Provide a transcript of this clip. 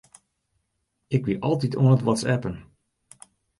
Ik wie altyd oan it whatsappen.